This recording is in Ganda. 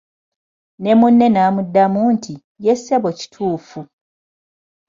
Ne munne n'amuddamu nti "ye ssebo kituufu"